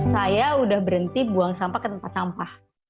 saya sudah berhenti buang sampah ke tempat sampah